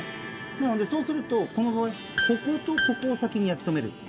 なのでそうするとこの場合こことここを先に焼き止める。